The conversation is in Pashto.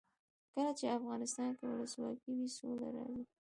کله چې افغانستان کې ولسواکي وي سوله راځي.